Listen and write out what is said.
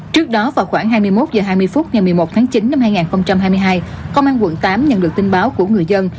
trước đó vào khoảng hai mươi một h hai mươi phút ngày một mươi một tháng chín năm hai nghìn hai mươi hai công an quận tám nhận được tin báo của người dân